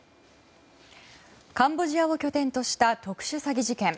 カンボジアを拠点とした特殊詐欺事件。